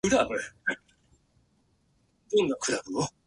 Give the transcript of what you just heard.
久しぶりに会った友達と話していると、時間が経つのをすっかり忘れちゃうね。